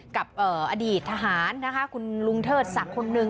กับอดีตทหารนะคะคุณลุงเทิดศักดิ์คนหนึ่ง